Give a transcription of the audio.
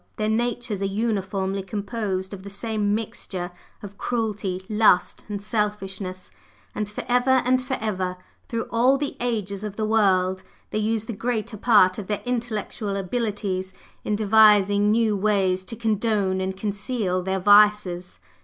Their natures are uniformly composed of the same mixture of cruelty, lust and selfishness; and forever and forever, through all the ages of the world, they use the greater part of their intellectual abilities in devising new ways to condone and conceal their vices.